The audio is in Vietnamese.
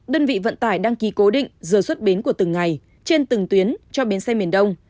đơn vị vận tải đăng ký cố định giờ xuất bến của từng ngày trên từng tuyến cho bến xe miền đông